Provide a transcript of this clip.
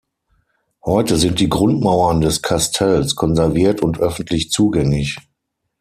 Heute sind die Grundmauern des Kastells konserviert und öffentlich zugängig.